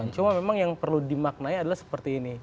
cuma memang yang perlu dimaknai adalah seperti ini